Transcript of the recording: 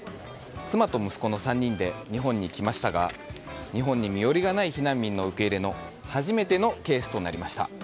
妻と息子の３人で日本に来ましたが日本に身寄りがない避難民の受け入れの初めてのケースとなりました。